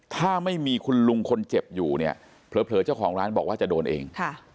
ถ้าไม่มีคุณลุงคนเจ็บอยู่เนี่ยเผลอเจ้าของร้านบอกว่าจะโดนเอง